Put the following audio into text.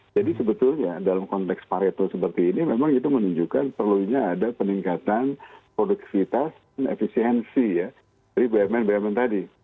jadi sebetulnya dalam konteks pareto seperti ini memang itu menunjukkan perlunya ada peningkatan produktivitas dan efisiensi ya dari bumn bumn tadi